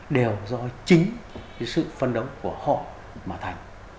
đều do chính sự phân đấu của họ mà thành